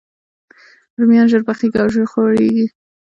رومیان ژر پخیږي او ژر خورېږي